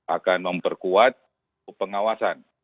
akan memperkuat pengawasan